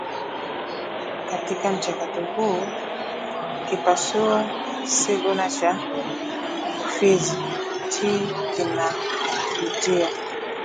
Katika mchakato huu kipasuo sighuna cha ufizi "t" kinapitia